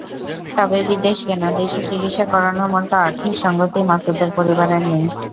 তবে বিদেশ কেন, দেশে চিকিত্সা করানোর মতো আর্থিক সংগতি মাসুদের পরিবারের নেই।